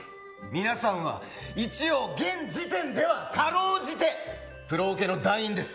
皆さんは一応現時点では辛うじてプロオケの団員です。